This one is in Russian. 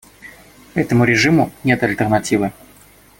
Этому режиму нет альтернативы.